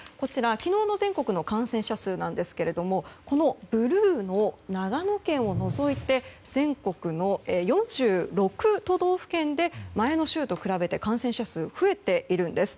昨日の全国の感染者数ですがブルーの長野県を除いて全国の４６都道府県で前の週と比べて感染者数が増えているんです。